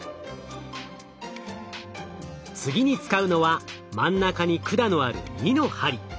次に使うのは真ん中に管のある２の針。